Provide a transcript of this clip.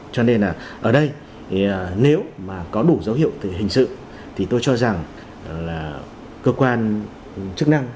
cho nên là ở đây nếu mà có đủ dấu hiệu từ hình sự thì tôi cho rằng là cơ quan chức năng